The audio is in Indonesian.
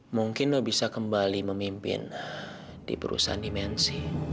mungkin lo bisa kembali memimpin di perusahaan dimensi